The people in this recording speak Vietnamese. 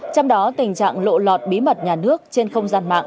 trong đó tình trạng lộ lọt bí mật nhà nước trên không gian mạng